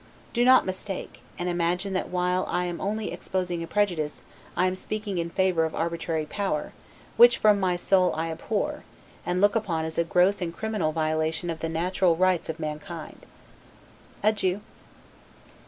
Do not mistake, and imagine that while I am only exposing a prejudice, I am speaking in favor of arbitrary power; which from my soul I abhor, and look upon as a gross and criminal violation of the natural rights of mankind. Adieu.